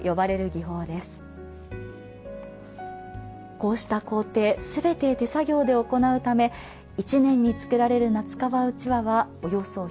こうした工程全て手作業で行うため一年に作られる撫川うちわはおよそ１５０本だけ。